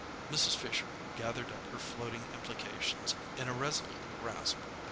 Mrs. Fisher gathered up her floating implications in a resolute grasp.